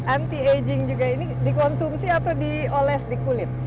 anti aging juga ini dikonsumsi atau dioles di kulit